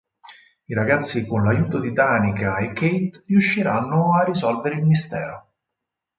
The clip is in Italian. I ragazzi con l'aiuto di Danica e Kate riusciranno a risolvere il mistero.